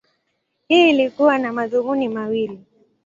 Hili lilikuwa na madhumuni mawili.